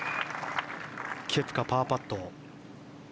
ケプカ、パーパット。